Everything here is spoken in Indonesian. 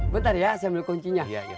bentar ya saya ambil kuncinya